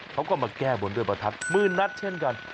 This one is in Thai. เขาก็มาแก้บนด้วยประทัดหมื่นนัดเช่นกัน